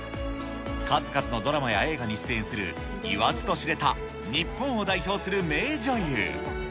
数々のドラマや映画に出演する、言わずと知れた日本を代表する名女優。